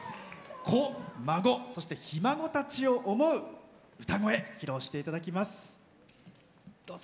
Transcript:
子、孫、そしてひ孫たちを思う歌声披露していただきます。